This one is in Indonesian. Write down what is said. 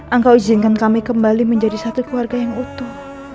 engkau izinkan kami kembali menjadi satu keluarga yang utuh